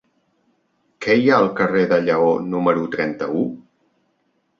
Què hi ha al carrer del Lleó número trenta-u?